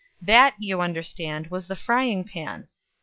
That, you understand, was the frying pan.